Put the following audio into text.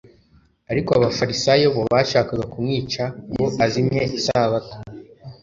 ariko abafarisayo bo bashakaga kumwica ngo azimye isabato.